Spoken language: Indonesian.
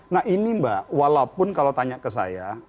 nah ini mbak walaupun kalau tanya ke saya